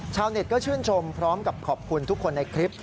ชาวเน็ตก็ชื่นชมพร้อมกับขอบคุณทุกคนในคลิป